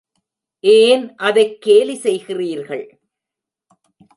ஏன் அதைக் கேலி செய்கிறீர்கள்?